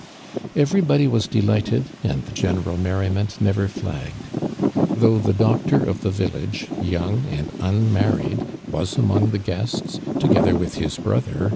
Everybody was delighted, and the gene ral merriment never flagged. Though the doctor of tlie village, young and unmar ried, was among the guests, together with his i)rother.